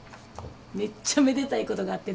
めっちゃめでたいことがあってな。